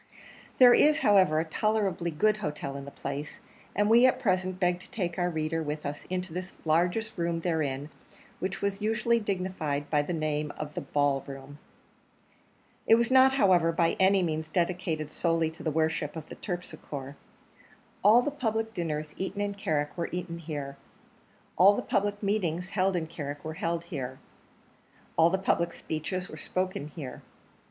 There is, however, a tolerably good hotel in the place, and we at present beg to take our reader with us into the largest room therein, which was usually dignified by the name of the Ball Room. It was not, however, by any means dedicated solely to the worship of Terpsichore: all the public dinners eaten in Carrick were eaten here; all the public meetings held in Carrick were held here; all the public speeches were spoken here.